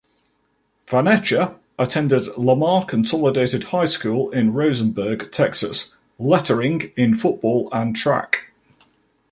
Faneca attended Lamar Consolidated High School in Rosenberg, Texas, lettering in football and track.